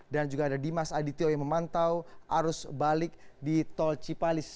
dan juga ada dimas adityo yang memantau arus balik di tol cipalis